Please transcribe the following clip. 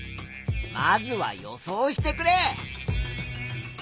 まずは予想してくれ。